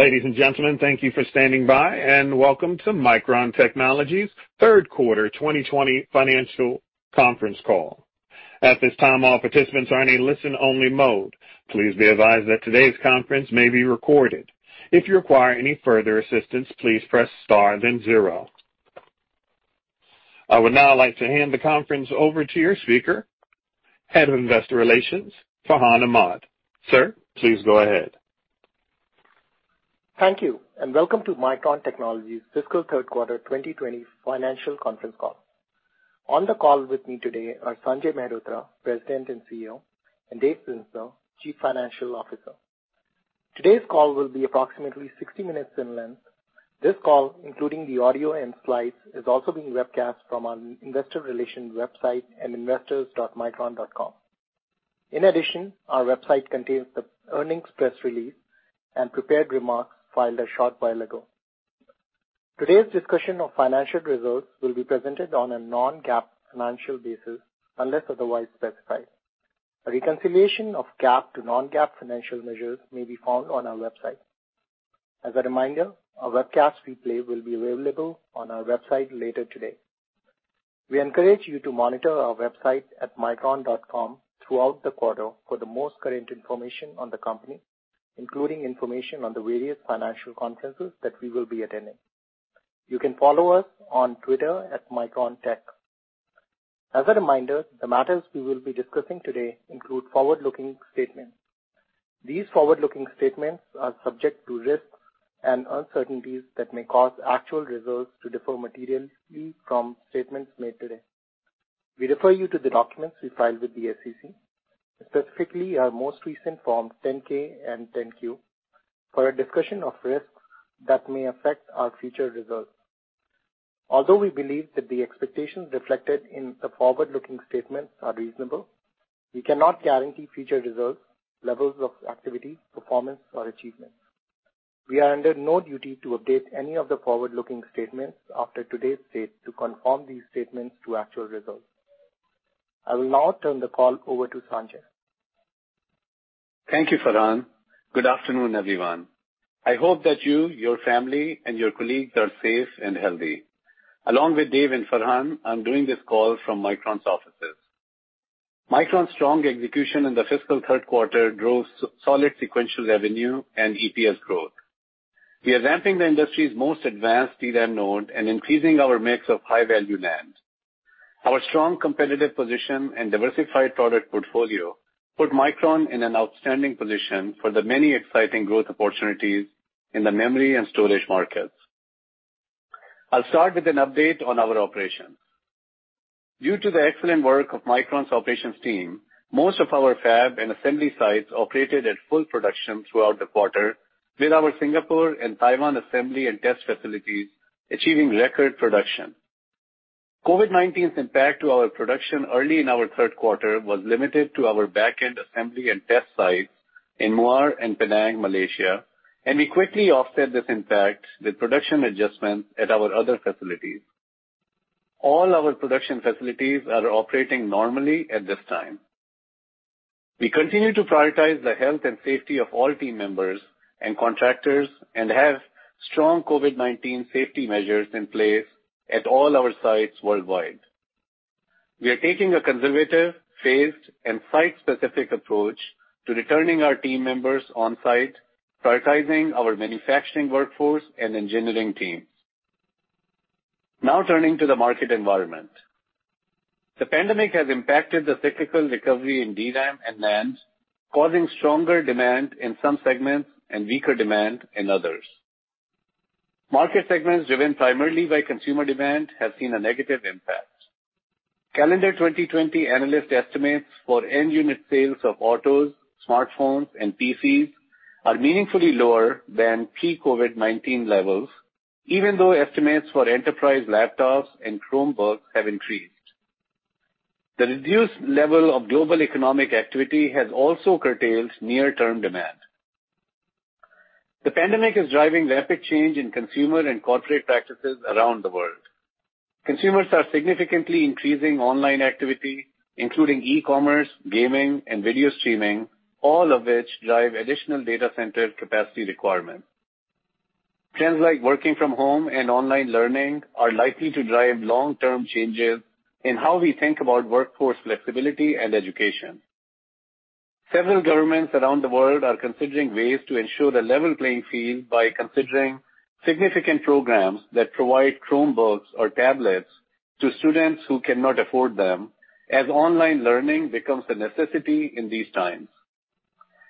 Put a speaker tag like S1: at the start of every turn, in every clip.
S1: Ladies and gentlemen, thank you for standing by. Welcome to Micron Technology's third quarter 2020 financial conference call. At this time, all participants are in a listen-only mode. Please be advised that today's conference may be recorded. If you require any further assistance, please press star then zero. I would now like to hand the conference over to your speaker, Head of Investor Relations, Farhan Ahmad. Sir, please go ahead.
S2: Thank you, and welcome to Micron Technology's fiscal third quarter 2020 financial conference call. On the call with me today are Sanjay Mehrotra, President and CEO, and Dave Zinsner, Chief Financial Officer. Today's call will be approximately 60 minutes in length. This call, including the audio and slides, is also being webcast from our investor relations website at investors.micron.com. In addition, our website contains the earnings press release and prepared remarks filed a short while ago. Today's discussion of financial results will be presented on a non-GAAP financial basis, unless otherwise specified. A reconciliation of GAAP to non-GAAP financial measures may be found on our website. As a reminder, a webcast replay will be available on our website later today. We encourage you to monitor our website at micron.com throughout the quarter for the most current information on the company, including information on the various financial conferences that we will be attending. You can follow us on Twitter at MicronTech. As a reminder, the matters we will be discussing today include forward-looking statements. These forward-looking statements are subject to risks and uncertainties that may cause actual results to differ materially from statements made today. We refer you to the documents we filed with the SEC, specifically our most recent Forms 10-K and 10-Q, for a discussion of risks that may affect our future results. Although we believe that the expectations reflected in the forward-looking statements are reasonable, we cannot guarantee future results, levels of activity, performance, or achievements. We are under no duty to update any of the forward-looking statements after today's date to confirm these statements to actual results. I will now turn the call over to Sanjay.
S3: Thank you, Farhan. Good afternoon, everyone. I hope that you, your family, and your colleagues are safe and healthy. Along with Dave and Farhan, I'm doing this call from Micron's offices. Micron's strong execution in the fiscal third quarter drove solid sequential revenue and EPS growth. We are ramping the industry's most advanced DRAM node and increasing our mix of high-value NAND. Our strong competitive position and diversified product portfolio put Micron in an outstanding position for the many exciting growth opportunities in the memory and storage markets. I'll start with an update on our operations. Due to the excellent work of Micron's operations team, most of our fab and assembly sites operated at full production throughout the quarter with our Singapore and Taiwan assembly and test facilities achieving record production. COVID-19's impact to our production early in our third quarter was limited to our back end assembly and test sites in Muar and Penang, Malaysia, and we quickly offset this impact with production adjustments at our other facilities. All our production facilities are operating normally at this time. We continue to prioritize the health and safety of all team members and contractors and have strong COVID-19 safety measures in place at all our sites worldwide. We are taking a conservative, phased, and site-specific approach to returning our team members on-site, prioritizing our manufacturing workforce and engineering teams. Turning to the market environment. The pandemic has impacted the cyclical recovery in DRAM and NAND, causing stronger demand in some segments and weaker demand in others. Market segments driven primarily by consumer demand have seen a negative impact. Calendar 2020 analyst estimates for end unit sales of autos, smartphones, and PCs are meaningfully lower than pre-COVID-19 levels, even though estimates for enterprise laptops and Chromebooks have increased. The reduced level of global economic activity has also curtailed near-term demand. The pandemic is driving rapid change in consumer and corporate practices around the world. Consumers are significantly increasing online activity, including e-commerce, gaming, and video streaming, all of which drive additional data center capacity requirements. Trends like working from home and online learning are likely to drive long-term changes in how we think about workforce flexibility and education. Several governments around the world are considering ways to ensure the level playing field by considering significant programs that provide Chromebooks or tablets to students who cannot afford them as online learning becomes a necessity in these times.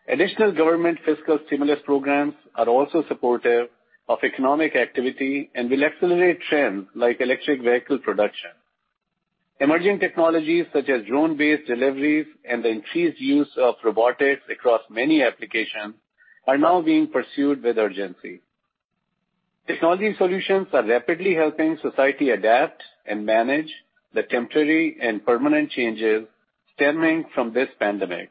S3: Additional government fiscal stimulus programs are also supportive of economic activity and will accelerate trends like electric vehicle production. Emerging technologies such as drone-based deliveries and the increased use of robotics across many applications are now being pursued with urgency. Technology solutions are rapidly helping society adapt and manage the temporary and permanent changes stemming from this pandemic.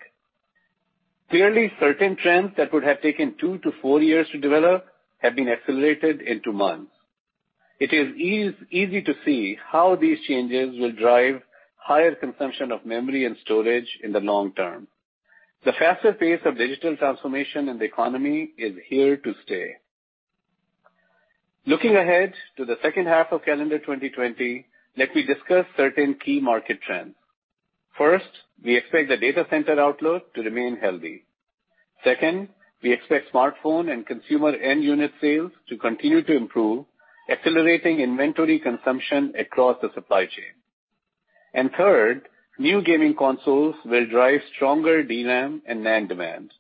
S3: Clearly, certain trends that would have taken 2-4 years to develop have been accelerated into months. It is easy to see how these changes will drive higher consumption of memory and storage in the long term. The faster pace of digital transformation in the economy is here to stay. Looking ahead to the second half of calendar 2020, let me discuss certain key market trends. First, we expect the data center outlook to remain healthy. We expect smartphone and consumer end unit sales to continue to improve, accelerating inventory consumption across the supply chain. Third, new gaming consoles will drive stronger DRAM and NAND demand.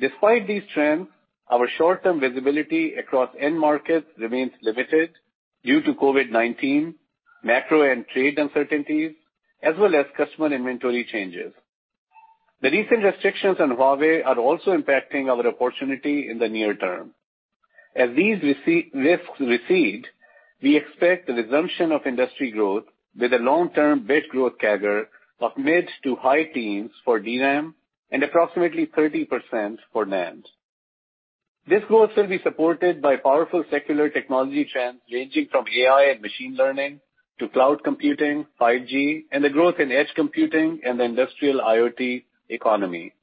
S3: Despite these trends, our short-term visibility across end markets remains limited due to COVID-19, macro and trade uncertainties, as well as customer inventory changes. The recent restrictions on Huawei are also impacting our opportunity in the near term. As these risks recede, we expect the resumption of industry growth with a long-term bit growth CAGR of mid to high teens for DRAM and approximately 30% for NAND. This growth will be supported by powerful secular technology trends, ranging from AI and machine learning to cloud computing, 5G, and the growth in edge computing and the industrial IoT economy.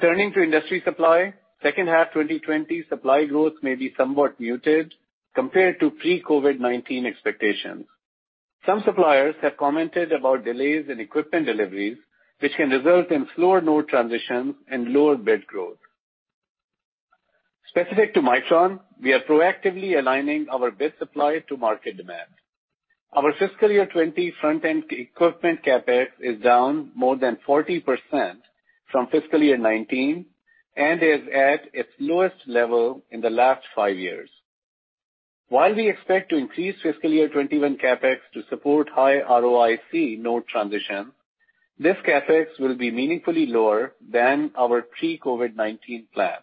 S3: Turning to industry supply, second half 2020 supply growth may be somewhat muted compared to pre-COVID-19 expectations. Some suppliers have commented about delays in equipment deliveries, which can result in slower node transitions and lower bit growth. Specific to Micron, we are proactively aligning our bit supply to market demand. Our fiscal year 2020 front-end equipment CapEx is down more than 40% from fiscal year 2019 and is at its lowest level in the last five years. While we expect to increase fiscal year 2021 CapEx to support high ROIC node transition, this CapEx will be meaningfully lower than our pre-COVID-19 plan.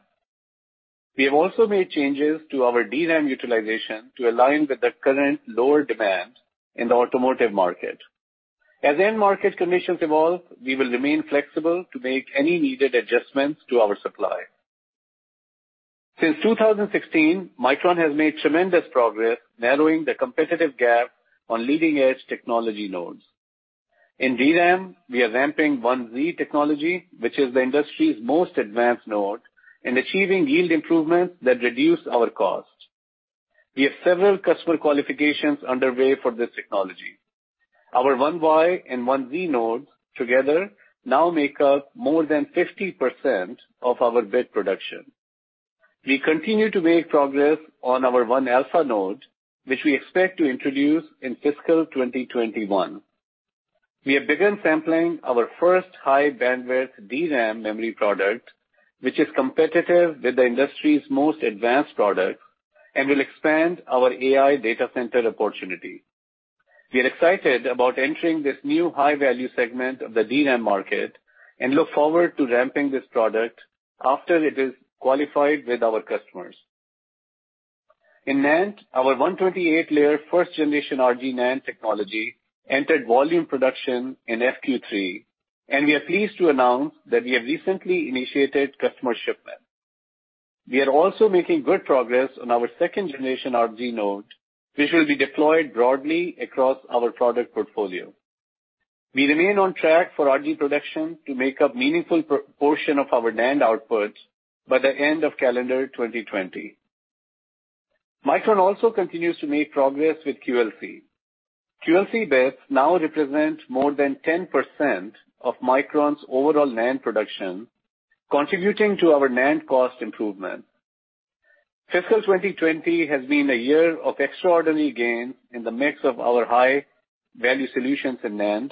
S3: We have also made changes to our DRAM utilization to align with the current lower demand in the automotive market. As end market conditions evolve, we will remain flexible to make any needed adjustments to our supply. Since 2016, Micron has made tremendous progress narrowing the competitive gap on leading-edge technology nodes. In DRAM, we are ramping 1z technology, which is the industry's most advanced node, and achieving yield improvements that reduce our cost. We have several customer qualifications underway for this technology. Our 1y and 1z nodes together now make up more than 50% of our bit production. We continue to make progress on our 1α node, which we expect to introduce in fiscal 2021. We have begun sampling our first high-bandwidth DRAM memory product, which is competitive with the industry's most advanced products and will expand our AI data center opportunity. We are excited about entering this new high-value segment of the DRAM market and look forward to ramping this product after it is qualified with our customers. In NAND, our 128-layer first-generation RG NAND technology entered volume production in FQ3. We are pleased to announce that we have recently initiated customer shipment. We are also making good progress on our second generation RG node, which will be deployed broadly across our product portfolio. We remain on track for RG production to make a meaningful portion of our NAND output by the end of calendar 2020. Micron also continues to make progress with QLC. QLC bits now represent more than 10% of Micron's overall NAND production, contributing to our NAND cost improvement. Fiscal 2020 has been a year of extraordinary gains in the mix of our high-value solutions in NAND,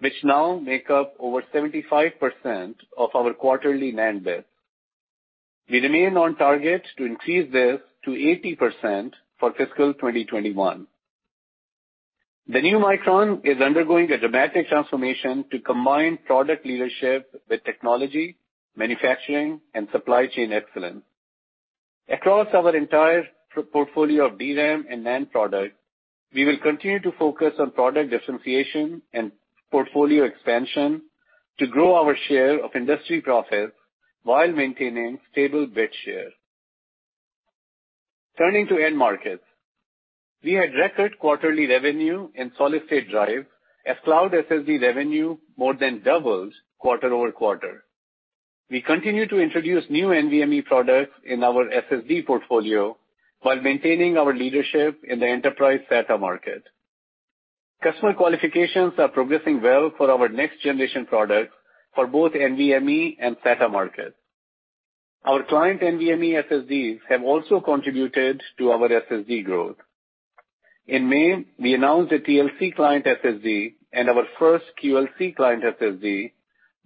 S3: which now make up over 75% of our quarterly NAND bits. We remain on target to increase this to 80% for fiscal 2021. The new Micron is undergoing a dramatic transformation to combine product leadership with technology, manufacturing, and supply chain excellence. Across our entire portfolio of DRAM and NAND products, we will continue to focus on product differentiation and portfolio expansion to grow our share of industry profits while maintaining stable bit share. Turning to end markets. We had record quarterly revenue in solid-state drive as cloud SSD revenue more than doubled quarter-over-quarter. We continue to introduce new NVMe products in our SSD portfolio while maintaining our leadership in the enterprise SATA market. Customer qualifications are progressing well for our next-generation products for both NVMe and SATA markets. Our client NVMe SSDs have also contributed to our SSD growth. In May, we announced a TLC client SSD and our first QLC client SSD,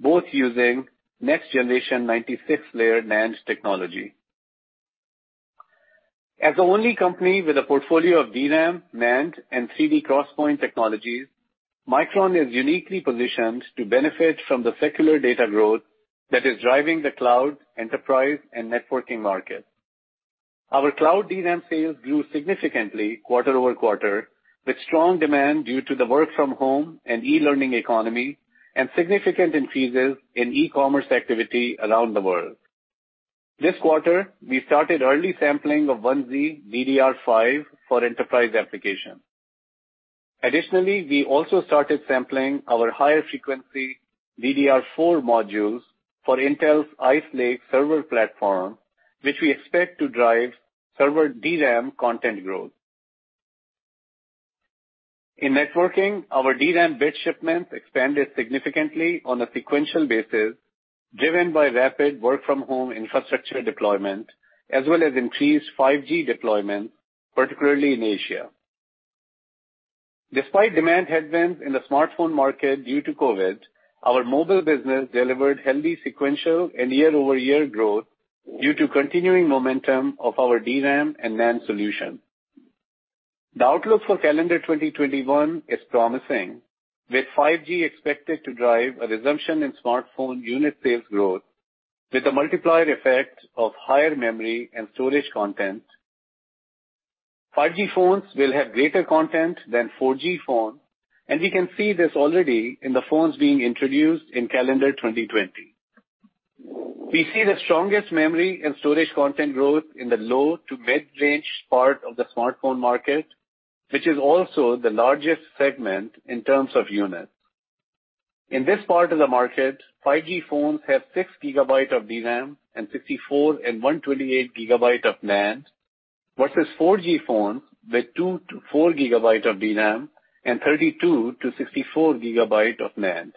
S3: both using next-generation 96-layer NAND technology. As the only company with a portfolio of DRAM, NAND, and 3D XPoint technologies, Micron is uniquely positioned to benefit from the secular data growth that is driving the cloud, enterprise, and networking markets. Our cloud DRAM sales grew significantly quarter-over-quarter, with strong demand due to the work-from-home and e-learning economy and significant increases in e-commerce activity around the world. This quarter, we started early sampling of 1z DDR5 for enterprise application. Additionally, we also started sampling our higher frequency DDR4 modules for Intel's Ice Lake server platform, which we expect to drive server DRAM content growth. In networking, our DRAM bit shipments expanded significantly on a sequential basis, driven by rapid work-from-home infrastructure deployment, as well as increased 5G deployment, particularly in Asia. Despite demand headwinds in the smartphone market due to COVID, our mobile business delivered healthy sequential and year-over-year growth due to continuing momentum of our DRAM and NAND solutions. The outlook for calendar 2021 is promising, with 5G expected to drive a resumption in smartphone unit sales growth with the multiplier effect of higher memory and storage content. 5G phones will have greater content than 4G phone, and we can see this already in the phones being introduced in calendar 2020. We see the strongest memory and storage content growth in the low to mid-range part of the smartphone market, which is also the largest segment in terms of units. In this part of the market, 5G phones have 6 GB of DRAM and 64 GB and 128 GB of NAND, versus 4G phones with 2 GB to 4 GB of DRAM and 32 GB to 64 GB of NAND.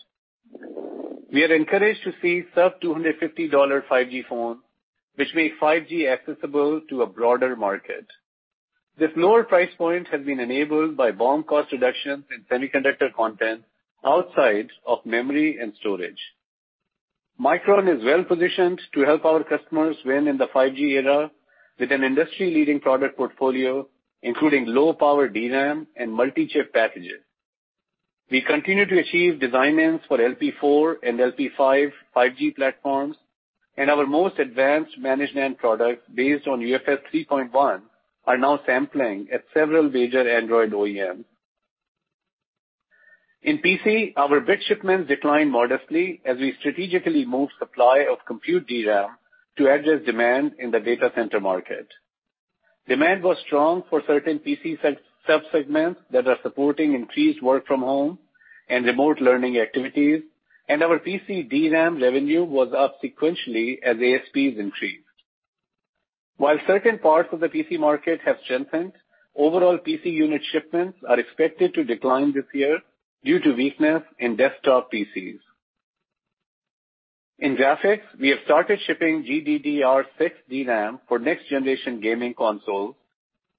S3: We are encouraged to see sub $250 5G phone, which make 5G accessible to a broader market. This lower price point has been enabled by BOM cost reductions in semiconductor content outside of memory and storage. Micron is well-positioned to help our customers win in the 5G era with an industry-leading product portfolio, including low-power DRAM and multi-chip packaging. Our most advanced Managed NAND product based on UFS 3.1 are now sampling at several major Android OEMs. In PC, our bit shipments declined modestly as we strategically moved supply of compute DRAM to address demand in the data center market. Demand was strong for certain PC sub-segments that are supporting increased work-from-home and remote learning activities. Our PC DRAM revenue was up sequentially as ASPs increased. While certain parts of the PC market have strengthened, overall PC unit shipments are expected to decline this year due to weakness in desktop PCs. In graphics, we have started shipping GDDR6 DRAM for next generation gaming consoles,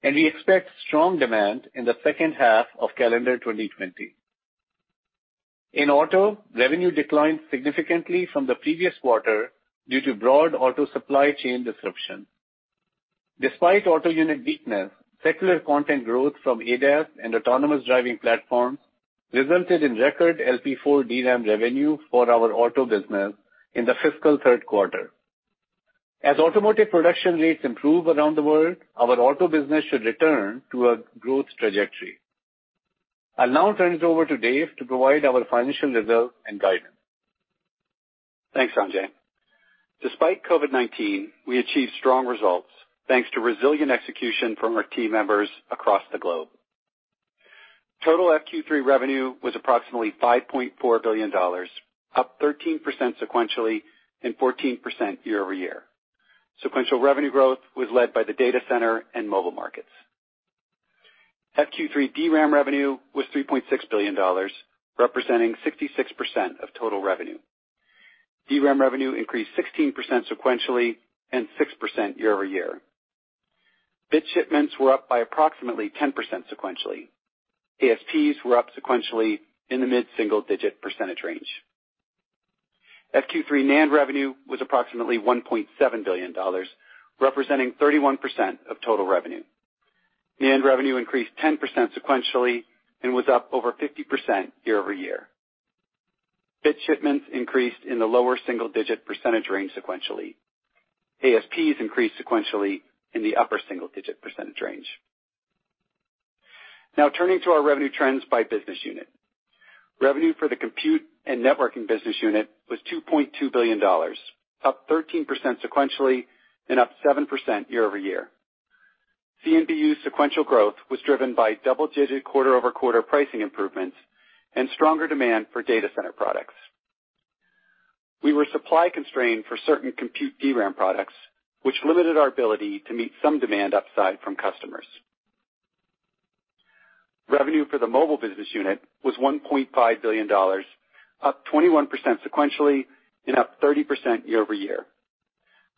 S3: and we expect strong demand in the second half of calendar 2020. In auto, revenue declined significantly from the previous quarter due to broad auto supply chain disruption. Despite auto unit weakness, secular content growth from ADAS and autonomous driving platforms resulted in record LP4 DRAM revenue for our auto business in the fiscal third quarter. As automotive production rates improve around the world, our auto business should return to a growth trajectory. I'll now turn it over to Dave to provide our financial results and guidance.
S4: Thanks, Sanjay. Despite COVID-19, we achieved strong results, thanks to resilient execution from our team members across the globe. Total FQ3 revenue was approximately $5.4 billion, up 13% sequentially and 14% year-over-year. Sequential revenue growth was led by the data center and mobile markets. FQ3 DRAM revenue was $3.6 billion, representing 66% of total revenue. DRAM revenue increased 16% sequentially and 6% year-over-year. Bit shipments were up by approximately 10% sequentially. ASPs were up sequentially in the mid-single digit percentage range. FQ3 NAND revenue was approximately $1.7 billion, representing 31% of total revenue. NAND revenue increased 10% sequentially and was up over 50% year-over-year. Bit shipments increased in the lower single digit percentage range sequentially. ASPs increased sequentially in the upper single digit percentage range. Turning to our revenue trends by business unit. Revenue for the Compute and Networking Business Unit was $2.2 billion, up 13% sequentially and up 7% year-over-year. CNBU's sequential growth was driven by double-digit quarter-over-quarter pricing improvements and stronger demand for data center products. We were supply constrained for certain compute DRAM products, which limited our ability to meet some demand upside from customers. Revenue for the Mobile Business Unit was $1.5 billion, up 21% sequentially and up 30% year-over-year.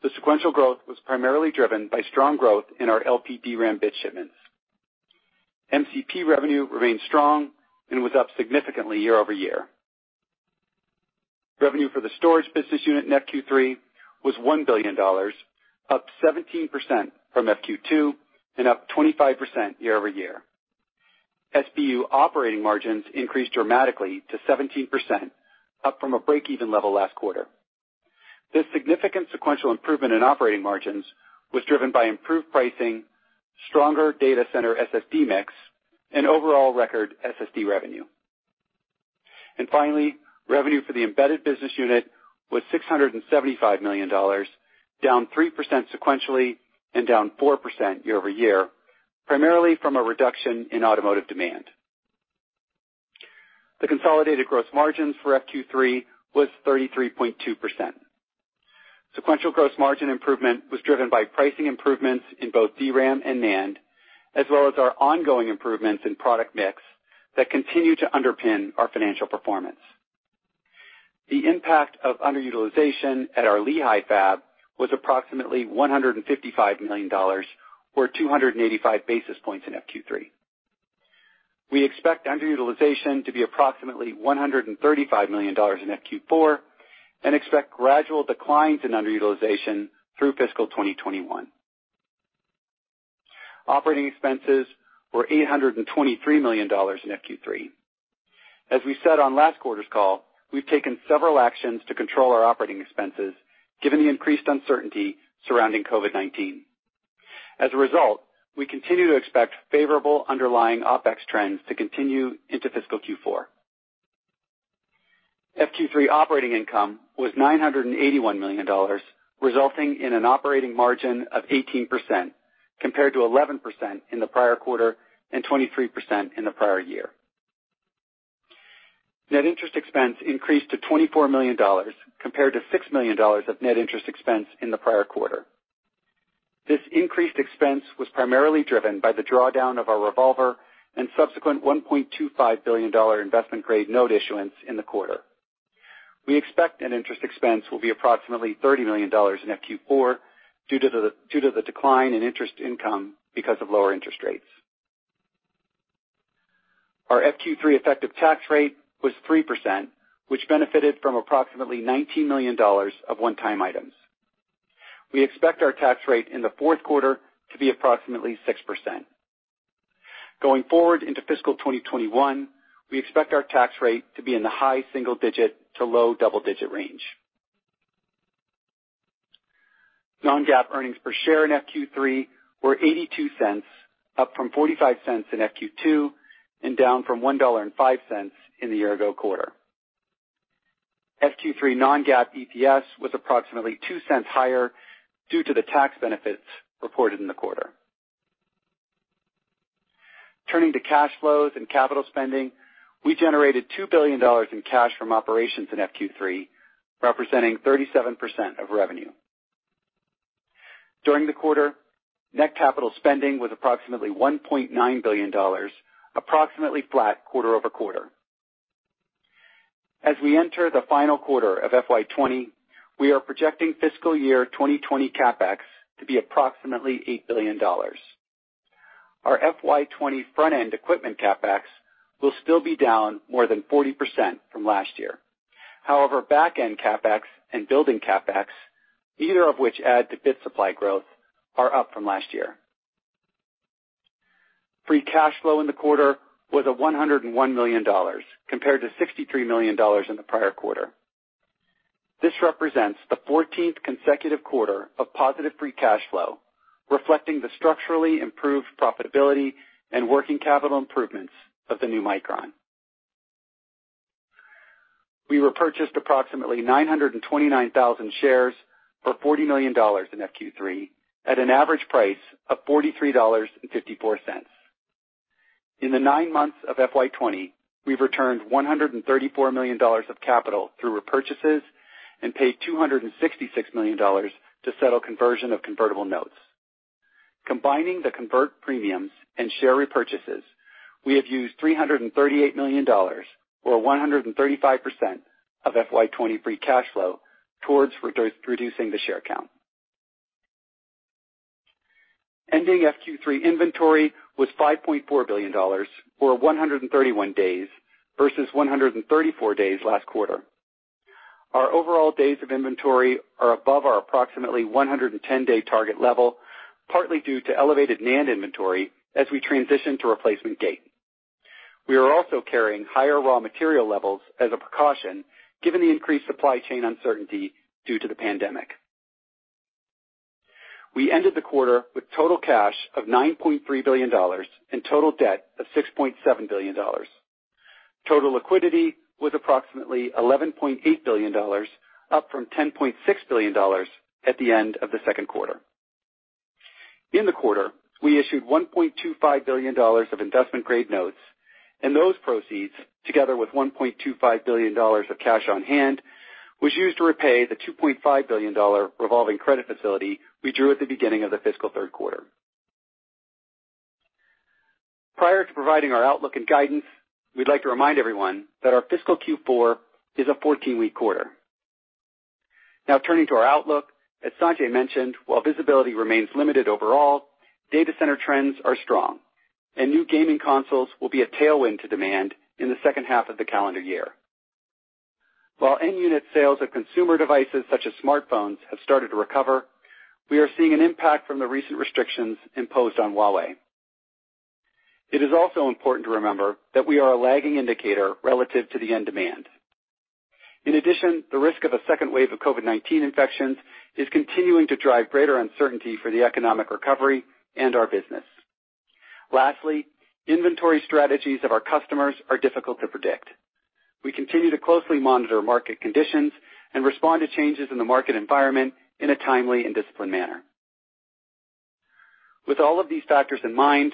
S4: The sequential growth was primarily driven by strong growth in our LP DRAM bit shipments. MCP revenue remained strong and was up significantly year-over-year. Revenue for the Storage Business Unit in FQ3 was $1 billion, up 17% from FQ2 and up 25% year-over-year. SBU operating margins increased dramatically to 17%, up from a break-even level last quarter. This significant sequential improvement in operating margins was driven by improved pricing, stronger data center SSD mix, and overall record SSD revenue. Finally, revenue for the Embedded Business Unit was $675 million, down 3% sequentially and down 4% year-over-year, primarily from a reduction in automotive demand. The consolidated gross margins for FQ3 was 33.2%. Sequential gross margin improvement was driven by pricing improvements in both DRAM and NAND, as well as our ongoing improvements in product mix that continue to underpin our financial performance. The impact of underutilization at our Lehi fab was approximately $155 million, or 285 basis points in FQ3. We expect underutilization to be approximately $135 million in FQ4, and expect gradual declines in underutilization through fiscal 2021. Operating expenses were $823 million in FQ3. We've taken several actions to control our operating expenses, given the increased uncertainty surrounding COVID-19. We continue to expect favorable underlying OpEx trends to continue into fiscal Q4. FQ3 operating income was $981 million, resulting in an operating margin of 18%, compared to 11% in the prior quarter and 23% in the prior year. Net interest expense increased to $24 million compared to $6 million of net interest expense in the prior quarter. This increased expense was primarily driven by the drawdown of our revolver and subsequent $1.25 billion investment-grade note issuance in the quarter. We expect net interest expense will be approximately $30 million in FQ4 due to the decline in interest income because of lower interest rates. Our FQ3 effective tax rate was 3%, which benefited from approximately $19 million of one-time items. We expect our tax rate in the fourth quarter to be approximately 6%. Going forward into fiscal 2021, we expect our tax rate to be in the high single digit to low double-digit range. Non-GAAP earnings per share in FQ3 were $0.82, up from $0.45 in FQ2 and down from $1.05 in the year-ago quarter. FQ3 non-GAAP EPS was approximately $0.02 higher due to the tax benefits reported in the quarter. Turning to cash flows and capital spending, we generated $2 billion in cash from operations in FQ3, representing 37% of revenue. During the quarter, net capital spending was approximately $1.9 billion, approximately flat quarter-over-quarter. As we enter the final quarter of FY 2020, we are projecting fiscal year 2020 CapEx to be approximately $8 billion. Our FY 2020 front-end equipment CapEx will still be down more than 40% from last year. Back-end CapEx and building CapEx, either of which add to bit supply growth, are up from last year. Free cash flow in the quarter was at $101 million compared to $63 million in the prior quarter. This represents the 14th consecutive quarter of positive free cash flow, reflecting the structurally improved profitability and working capital improvements of the new Micron. We repurchased approximately 929,000 shares for $40 million in FQ3 at an average price of $43.54. In the nine months of FY20, we've returned $134 million of capital through repurchases and paid $266 million to settle conversion of convertible notes. Combining the convert premiums and share repurchases, we have used $338 million, or 135% of FY20 free cash flow, towards reducing the share count. Ending FQ3 inventory was $5.4 billion, or 131 days, versus 134 days last quarter. Our overall days of inventory are above our approximately 110-day target level, partly due to elevated NAND inventory as we transition to replacement gate. We are also carrying higher raw material levels as a precaution given the increased supply chain uncertainty due to the pandemic. We ended the quarter with total cash of $9.3 billion and total debt of $6.7 billion. Total liquidity was approximately $11.8 billion, up from $10.6 billion at the end of the second quarter. In the quarter, we issued $1.25 billion of investment-grade notes, and those proceeds, together with $1.25 billion of cash on hand, was used to repay the $2.5 billion revolving credit facility we drew at the beginning of the fiscal third quarter. Prior to providing our outlook and guidance, we'd like to remind everyone that our fiscal Q4 is a 14-week quarter. Turning to our outlook, as Sanjay mentioned, while visibility remains limited overall, data center trends are strong. New gaming consoles will be a tailwind to demand in the second half of the calendar year. While end-unit sales of consumer devices such as smartphones have started to recover, we are seeing an impact from the recent restrictions imposed on Huawei. It is also important to remember that we are a lagging indicator relative to the end demand. In addition, the risk of a second wave of COVID-19 infections is continuing to drive greater uncertainty for the economic recovery and our business. Lastly, inventory strategies of our customers are difficult to predict. We continue to closely monitor market conditions and respond to changes in the market environment in a timely and disciplined manner. With all of these factors in mind,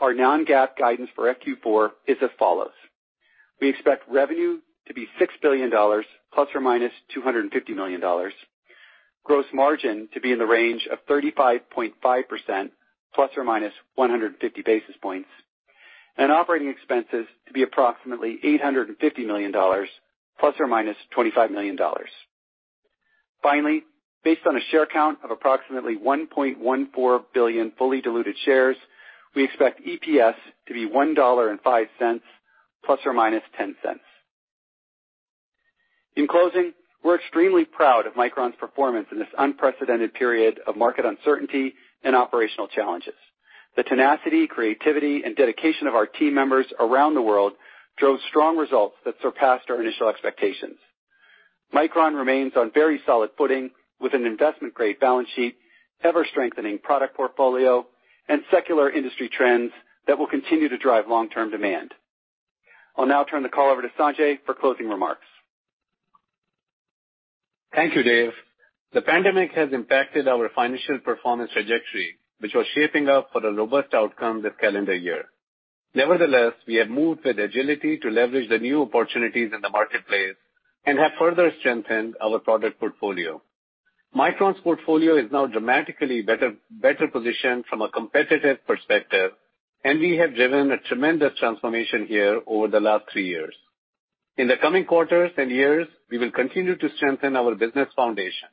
S4: our non-GAAP guidance for FQ4 is as follows. We expect revenue to be $6 billion ±$250 million, gross margin to be in the range of 35.5% ±150 basis points, and operating expenses to be approximately $850 million ±$25 million. Finally, based on a share count of approximately 1.14 billion fully diluted shares, we expect EPS to be $1.05 ±$0.10. In closing, we're extremely proud of Micron's performance in this unprecedented period of market uncertainty and operational challenges. The tenacity, creativity and dedication of our team members around the world drove strong results that surpassed our initial expectations. Micron remains on very solid footing, with an investment-grade balance sheet, ever-strengthening product portfolio, and secular industry trends that will continue to drive long-term demand. I'll now turn the call over to Sanjay for closing remarks.
S3: Thank you, Dave. The pandemic has impacted our financial performance trajectory, which was shaping up for a robust outcome this calendar year. Nevertheless, we have moved with agility to leverage the new opportunities in the marketplace and have further strengthened our product portfolio. Micron's portfolio is now dramatically better positioned from a competitive perspective, and we have driven a tremendous transformation here over the last three years. In the coming quarters and years, we will continue to strengthen our business foundation.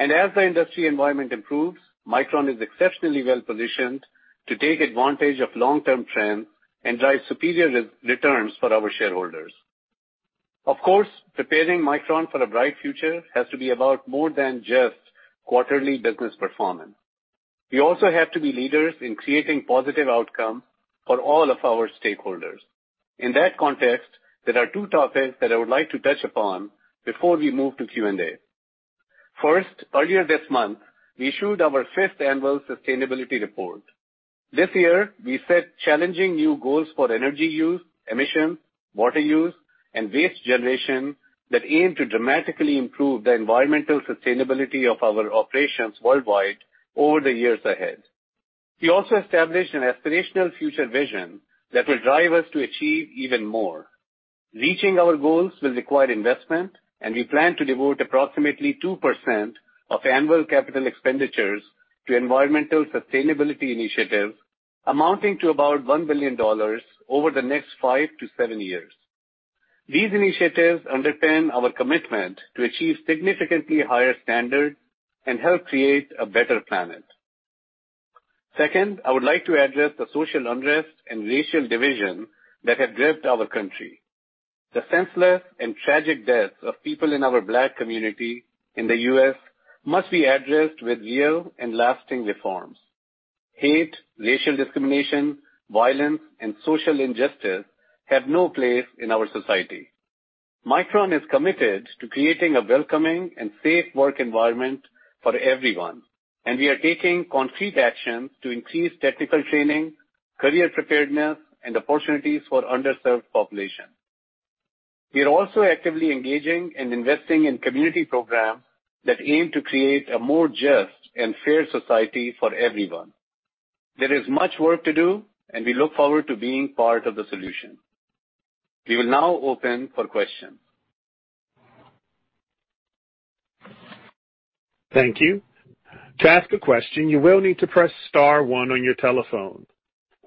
S3: As the industry environment improves, Micron is exceptionally well-positioned to take advantage of long-term trends and drive superior returns for our shareholders. Of course, preparing Micron for a bright future has to be about more than just quarterly business performance. We also have to be leaders in creating positive outcomes for all of our stakeholders. In that context, there are 2 topics that I would like to touch upon before we move to Q&A. First, earlier this month, we issued our fifth annual sustainability report. This year, we set challenging new goals for energy use, emissions, water use, and waste generation that aim to dramatically improve the environmental sustainability of our operations worldwide over the years ahead. We also established an aspirational future vision that will drive us to achieve even more. Reaching our goals will require investment. We plan to devote approximately 2% of annual CapEx to environmental sustainability initiatives amounting to about $1 billion over the next 5 to 7 years. These initiatives underpin our commitment to achieve significantly higher standards and help create a better planet. Second, I would like to address the social unrest and racial division that have gripped our country. The senseless and tragic deaths of people in our Black community in the U.S. must be addressed with real and lasting reforms. Hate, racial discrimination, violence, and social injustice have no place in our society. Micron is committed to creating a welcoming and safe work environment for everyone, and we are taking concrete action to increase technical training, career preparedness, and opportunities for underserved populations. We are also actively engaging and investing in community programs that aim to create a more just and fair society for everyone. There is much work to do, and we look forward to being part of the solution. We will now open for questions.
S1: Thank you. To ask a question, you will need to press star one on your telephone.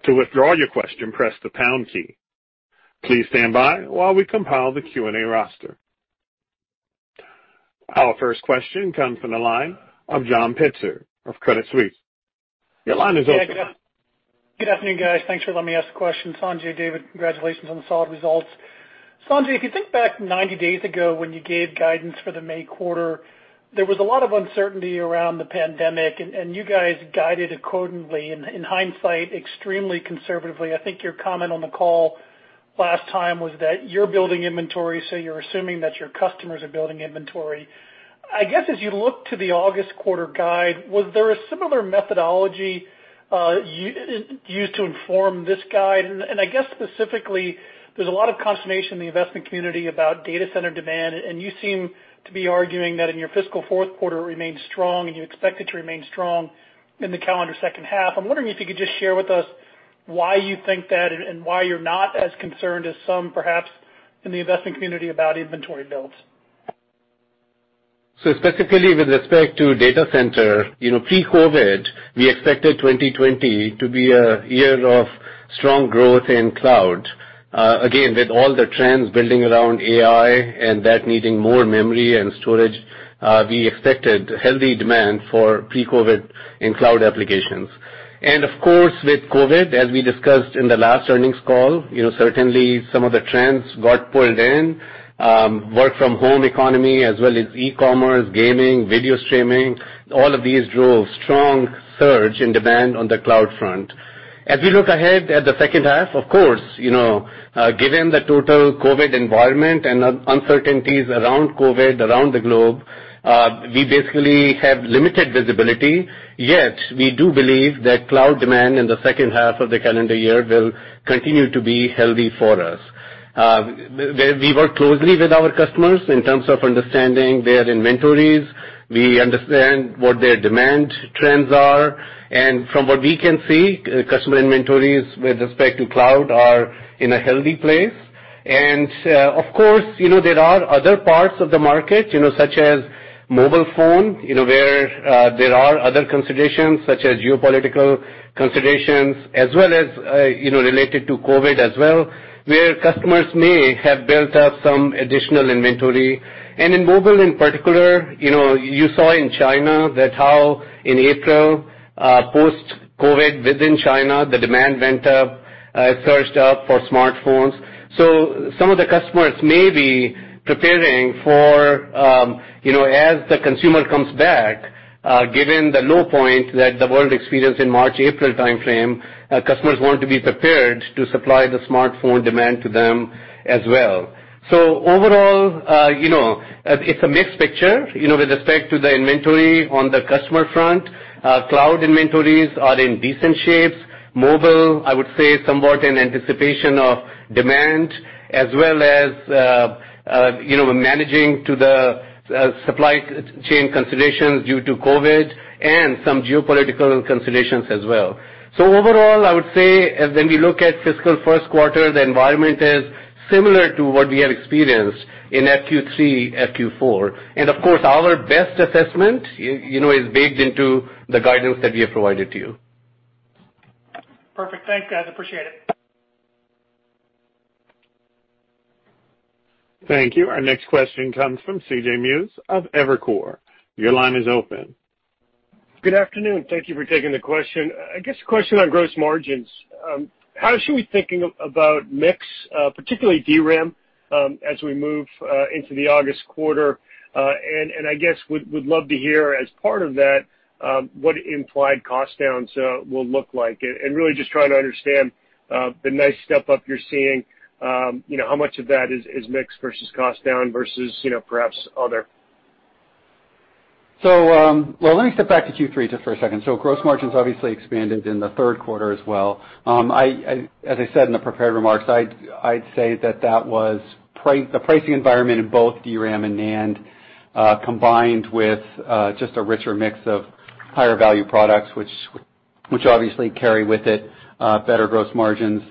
S1: To withdraw your question, press the pound key. Please stand by while we compile the Q&A roster. Our first question comes from the line of John Pitzer of Credit Suisse. Your line is open.
S5: Yeah, good afternoon, guys. Thanks for letting me ask a question. Sanjay, Dave, congratulations on the solid results. Sanjay, if you think back 90 days ago when you gave guidance for the May quarter, there was a lot of uncertainty around the pandemic, you guys guided accordingly, in hindsight, extremely conservatively. I think your comment on the call last time was that you're building inventory, you're assuming that your customers are building inventory. I guess as you look to the August quarter guide, was there a similar methodology used to inform this guide? I guess specifically, there's a lot of consternation in the investment community about data center demand, and you seem to be arguing that in your fiscal fourth quarter, it remains strong and you expect it to remain strong in the calendar second half. I'm wondering if you could just share with us why you think that and why you're not as concerned as some perhaps in the investment community about inventory builds?
S3: Specifically with respect to data center, pre-COVID, we expected 2020 to be a year of strong growth in cloud. With all the trends building around AI and that needing more memory and storage, we expected healthy demand for pre-COVID in cloud applications. Of course, with COVID, as we discussed in the last earnings call, certainly some of the trends got pulled in. Work from home economy as well as e-commerce, gaming, video streaming, all of these drove strong surge in demand on the cloud front. As we look ahead at the second half, of course, given the total COVID environment and uncertainties around COVID around the globe, we basically have limited visibility. We do believe that cloud demand in the second half of the calendar year will continue to be healthy for us. We work closely with our customers in terms of understanding their inventories. We understand what their demand trends are. From what we can see, customer inventories with respect to cloud are in a healthy place. Of course, there are other parts of the market, such as mobile phone, where there are other considerations, such as geopolitical considerations, as well as related to COVID as well, where customers may have built up some additional inventory. In mobile in particular, you saw in China that how in April, post-COVID within China, the demand went up, surged up for smartphones. Some of the customers may be preparing for as the consumer comes back, given the low point that the world experienced in March, April timeframe, customers want to be prepared to supply the smartphone demand to them as well. Overall, it's a mixed picture with respect to the inventory on the customer front. Cloud inventories are in decent shape. Mobile, I would say, somewhat in anticipation of demand, as well as managing to the supply chain considerations due to COVID and some geopolitical considerations as well. Overall, I would say when we look at fiscal first quarter, the environment is similar to what we have experienced in FQ3, FQ4. Of course, our best assessment is baked into the guidance that we have provided to you.
S5: Perfect. Thanks, guys. Appreciate it.
S1: Thank you. Our next question comes from C.J. Muse of Evercore. Your line is open.
S6: Good afternoon. Thank you for taking the question. I guess a question on gross margins. How should we be thinking about mix, particularly DRAM, as we move into the August quarter? I guess, would love to hear as part of that, what implied cost downs will look like. Really just trying to understand the nice step up you're seeing, how much of that is mixed versus cost down versus perhaps other.
S4: Well, let me step back to Q3 just for a second. Gross margins obviously expanded in the third quarter as well. As I said in the prepared remarks, I'd say that that was the pricing environment in both DRAM and NAND, combined with just a richer mix of higher value products, which obviously carry with it better gross margins.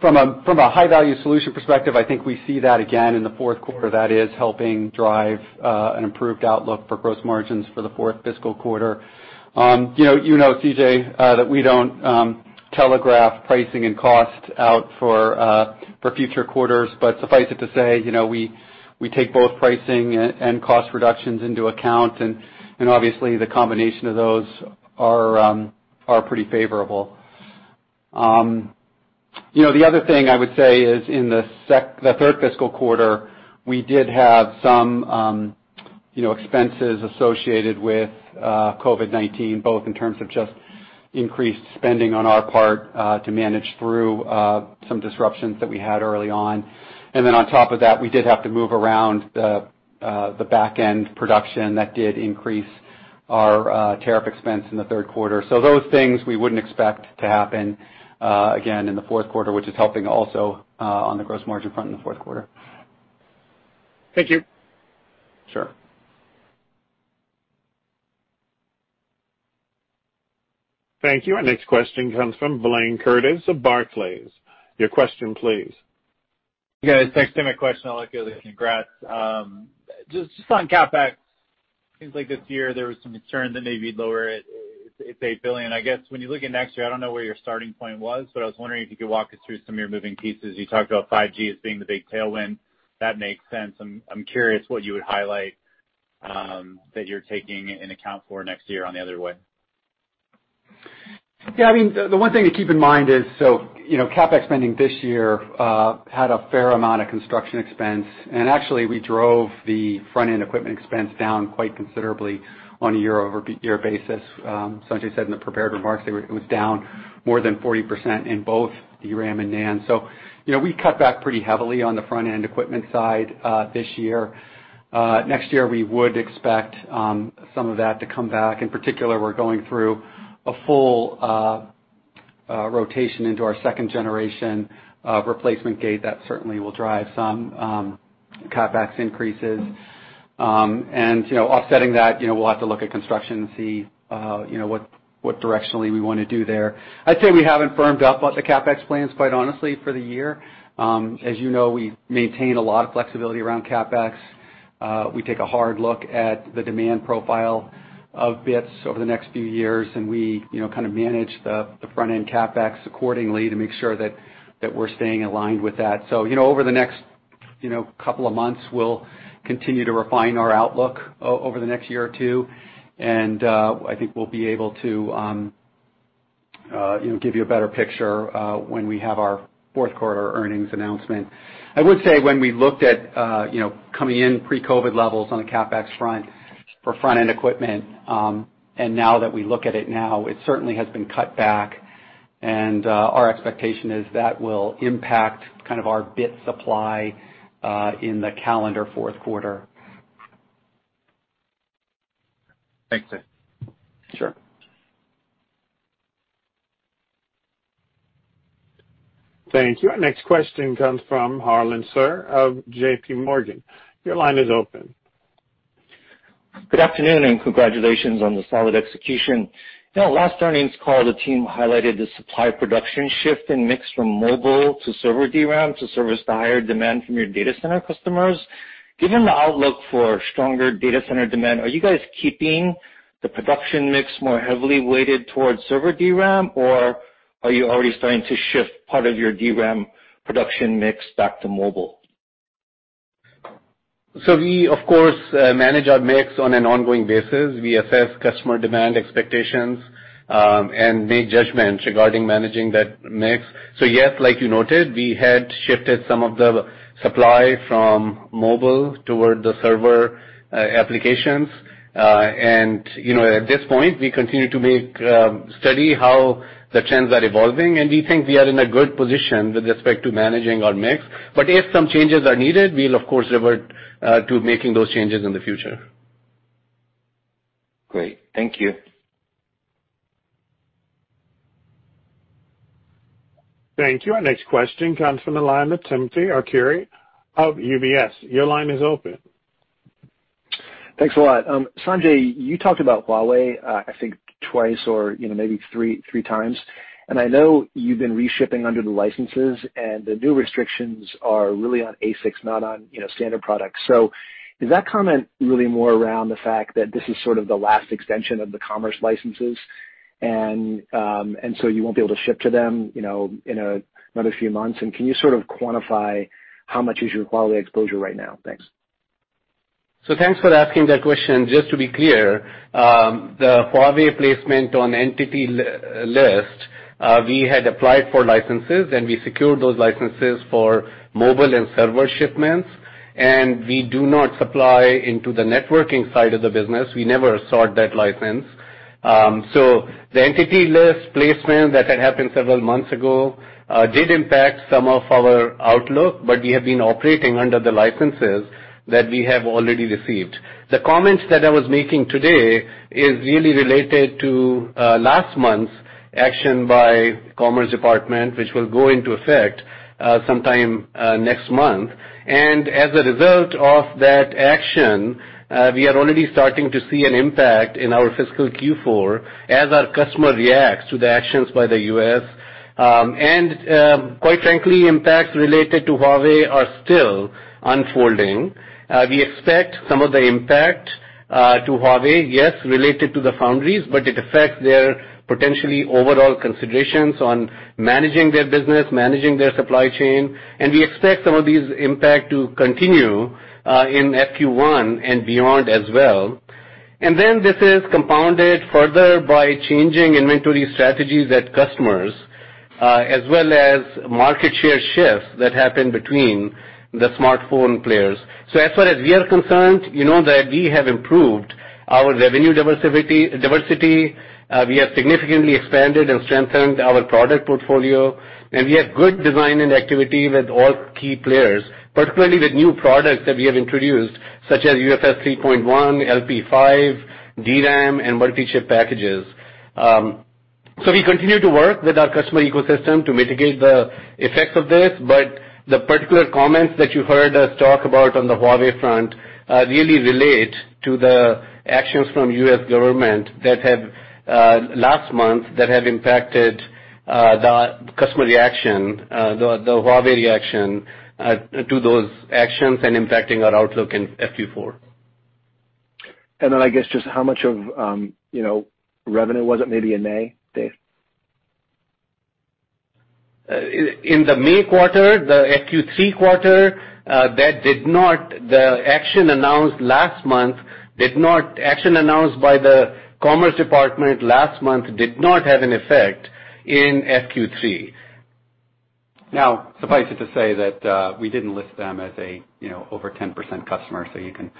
S4: From a high-value solution perspective, I think we see that again in the fourth quarter. That is helping drive an improved outlook for gross margins for the fourth fiscal quarter. You know, C.J., that we don't telegraph pricing and cost out for future quarters. Suffice it to say, we take both pricing and cost reductions into account, and obviously the combination of those are pretty favorable. The other thing I would say is in the third fiscal quarter, we did have some expenses associated with COVID-19, both in terms of just increased spending on our part to manage through some disruptions that we had early on. On top of that, we did have to move around the back-end production that did increase our tariff expense in the third quarter. Those things we wouldn't expect to happen again in the fourth quarter, which is helping also on the gross margin front in the fourth quarter.
S6: Thank you.
S4: Sure.
S1: Thank you. Our next question comes from Blayne Curtis of Barclays. Your question, please.
S7: Guys, thanks. Give me a question, I'll let go of the congrats. Just on CapEx, seems like this year there was some concern that maybe you'd lower it. It's $8 billion. I guess when you're looking next year, I don't know where your starting point was, but I was wondering if you could walk us through some of your moving pieces. You talked about 5G as being the big tailwind. That makes sense. I'm curious what you would highlight that you're taking into account for next year on the other way.
S4: Yeah, the one thing to keep in mind is CapEx spending this year had a fair amount of construction expense. Actually, we drove the front-end equipment expense down quite considerably on a year-over-year basis. Sanjay said in the prepared remarks, it was down more than 40% in both DRAM and NAND. We cut back pretty heavily on the front-end equipment side this year. Next year, we would expect some of that to come back. In particular, we're going through a full rotation into our second generation replacement gate. That certainly will drive some CapEx increases. Offsetting that, we'll have to look at construction and see what directionally we want to do there. I'd say we haven't firmed up what the CapEx plans, quite honestly, for the year. As you know, we maintain a lot of flexibility around CapEx. We take a hard look at the demand profile of bits over the next few years, and we kind of manage the front-end CapEx accordingly to make sure that we're staying aligned with that. Over the next couple of months, we'll continue to refine our outlook over the next year or two, and I think we'll be able to give you a better picture when we have our fourth quarter earnings announcement. I would say when we looked at coming in pre-COVID levels on the CapEx front for front-end equipment, and now that we look at it now, it certainly has been cut back. Our expectation is that will impact our bit supply in the calendar fourth quarter.
S7: Thanks, Dave.
S4: Sure.
S1: Thank you. Next question comes from Harlan Sur of J.P. Morgan. Your line is open.
S8: Good afternoon, congratulations on the solid execution. Last earnings call, the team highlighted the supply production shift in mix from mobile to server DRAM to service the higher demand from your data center customers. Given the outlook for stronger data center demand, are you guys keeping the production mix more heavily weighted towards server DRAM, or are you already starting to shift part of your DRAM production mix back to mobile?
S3: We, of course, manage our mix on an ongoing basis. We assess customer demand expectations, and make judgments regarding managing that mix. Yes, like you noted, we had shifted some of the supply from mobile toward the server applications. At this point, we continue to study how the trends are evolving, and we think we are in a good position with respect to managing our mix. If some changes are needed, we'll of course revert to making those changes in the future.
S8: Great. Thank you.
S1: Thank you. Our next question comes from the line of Timothy Arcuri of UBS. Your line is open.
S9: Thanks a lot. Sanjay, you talked about Huawei, I think twice or maybe three times. I know you've been reshipping under the licenses and the new restrictions are really on ASICs, not on standard products. Is that comment really more around the fact that this is sort of the last extension of the Commerce licenses, and you won't be able to ship to them in another few months? Can you sort of quantify how much is your Huawei exposure right now? Thanks.
S3: Thanks for asking that question. Just to be clear, the Huawei placement on entity list, we had applied for licenses, and we secured those licenses for mobile and server shipments, and we do not supply into the networking side of the business. We never sought that license. The entity list placement that had happened several months ago, did impact some of our outlook, but we have been operating under the licenses that we have already received. The comments that I was making today is really related to last month's action by Commerce Department, which will go into effect sometime next month. As a result of that action, we are already starting to see an impact in our fiscal Q4 as our customer reacts to the actions by the U.S. Quite frankly, impacts related to Huawei are still unfolding. We expect some of the impact to Huawei, yes, related to the foundries, but it affects their potentially overall considerations on managing their business, managing their supply chain. We expect some of these impact to continue in FY21 and beyond as well. This is compounded further by changing inventory strategies at customers, as well as market share shifts that happen between the smartphone players. As far as we are concerned, you know that we have improved our revenue diversity. We have significantly expanded and strengthened our product portfolio, and we have good design and activity with all key players, particularly with new products that we have introduced, such as UFS 3.1, LP5, DRAM, and multi-chip packages. We continue to work with our customer ecosystem to mitigate the effects of this, but the particular comments that you heard us talk about on the Huawei front, really relate to the actions from U.S. government last month, that have impacted the customer reaction, the Huawei reaction, to those actions and impacting our outlook in FQ4.
S9: I guess, just how much of revenue was it maybe in May, Dave?
S3: In the May quarter, the FQ3 quarter, the action announced by the Commerce Department last month did not have an effect in FQ3.
S4: Suffice it to say that we didn't list them as a over 10% customer, so you can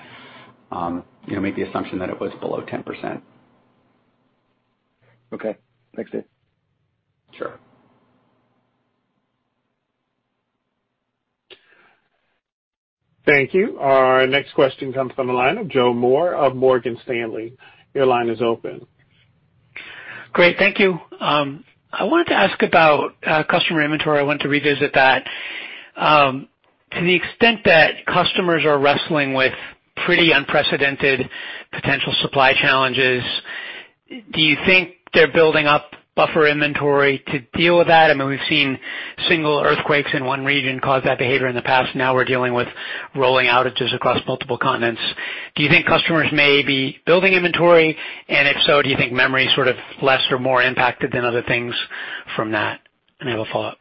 S4: make the assumption that it was below 10%.
S9: Okay. Thanks, Dave.
S4: Sure.
S1: Thank you. Our next question comes from the line of Joe Moore of Morgan Stanley. Your line is open.
S10: Great. Thank you. I wanted to ask about customer inventory. I want to revisit that. To the extent that customers are wrestling with pretty unprecedented potential supply challenges, do you think they're building up buffer inventory to deal with that? I mean, we've seen single earthquakes in one region cause that behavior in the past. Now we're dealing with rolling outages across multiple continents. Do you think customers may be building inventory? If so, do you think memory is sort of less or more impacted than other things from that? I have a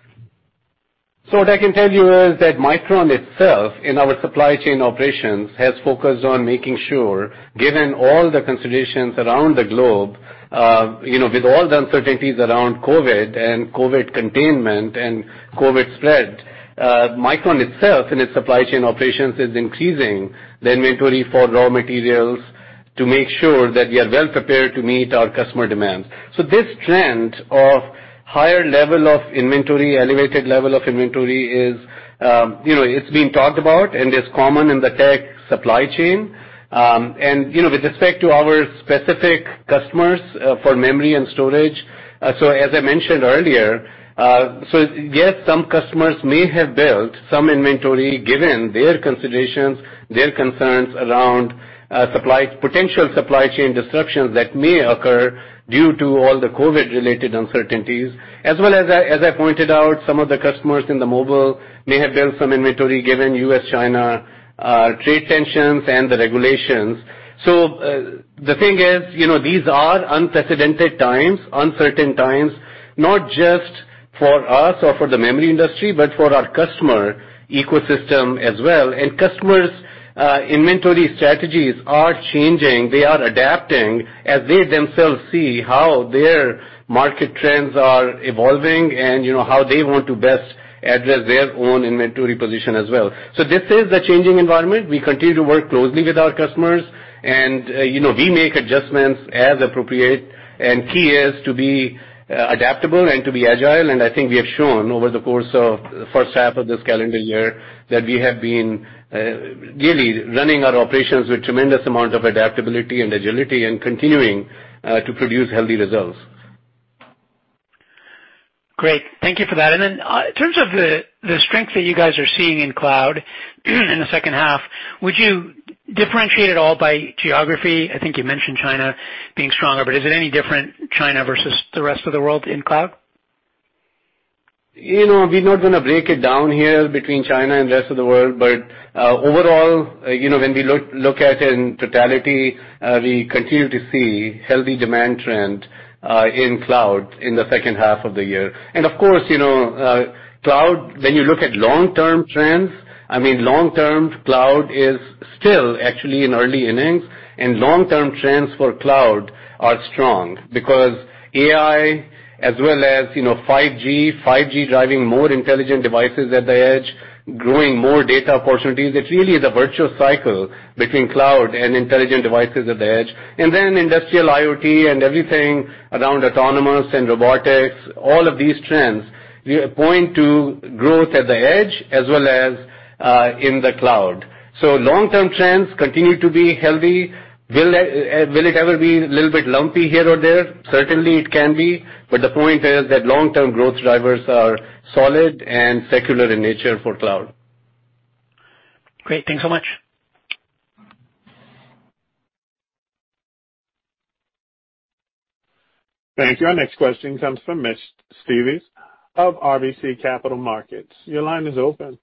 S10: follow-up.
S3: What I can tell you is that Micron itself, in our supply chain operations, has focused on making sure, given all the considerations around the globe. With all the uncertainties around COVID and COVID containment and COVID spread, Micron itself and its supply chain operations is increasing the inventory for raw materials to make sure that we are well prepared to meet our customer demands. This trend of higher level of inventory, elevated level of inventory, it's being talked about, and it's common in the tech supply chain. With respect to our specific customers for memory and storage, as I mentioned earlier, yes, some customers may have built some inventory given their considerations, their concerns around potential supply chain disruptions that may occur due to all the COVID-related uncertainties, as well as I pointed out, some of the customers in the mobile may have built some inventory given U.S.-China trade tensions and the regulations. The thing is, these are unprecedented times, uncertain times, not just for us or for the memory industry, but for our customer ecosystem as well. Customers' inventory strategies are changing. They are adapting as they themselves see how their market trends are evolving and how they want to best address their own inventory position as well. This is a changing environment. We continue to work closely with our customers, and we make adjustments as appropriate. Key is to be adaptable and to be agile. I think we have shown over the course of the first half of this calendar year that we have been really running our operations with tremendous amount of adaptability and agility and continuing to produce healthy results.
S10: Great. Thank you for that. Then in terms of the strength that you guys are seeing in cloud in the second half, would you differentiate at all by geography? I think you mentioned China being stronger, but is it any different, China versus the rest of the world in cloud?
S3: We're not going to break it down here between China and rest of the world. Overall, when we look at it in totality, we continue to see healthy demand trend in cloud in the second half of the year. Of course, cloud, when you look at long-term trends, long-term cloud is still actually in early innings, and long-term trends for cloud are strong because AI as well as 5G driving more intelligent devices at the edge, growing more data opportunities. It really is a virtuous cycle between cloud and intelligent devices at the edge. Industrial IoT and everything around autonomous and robotics, all of these trends point to growth at the edge as well as in the cloud. Long-term trends continue to be healthy. Will it ever be a little bit lumpy here or there? Certainly, it can be. The point is that long-term growth drivers are solid and secular in nature for cloud.
S10: Great. Thanks so much.
S1: Thank you. Our next question comes from Mitch Steves of RBC Capital Markets. Your line is open.